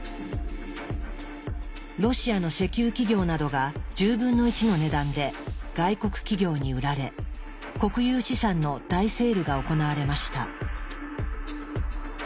ロシアの石油企業などが１０分の１の値段で外国企業に売られ国有資産の大セールが行われました。